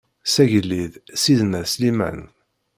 S agellid Sidna Sliman.